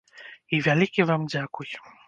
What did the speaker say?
І вялікі вам дзякуй.